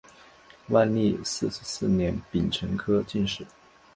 万历四十四年丙辰科进士。